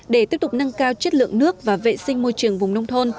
để tiếp tục nâng cao chất lượng nước và vệ sinh môi trường vùng nông thôn